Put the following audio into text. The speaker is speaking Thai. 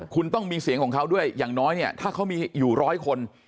คุณต้องมีเสียงของเขาด้วยอย่างน้อยเนี่ยถ้าเขามีอยู่ร้อยคน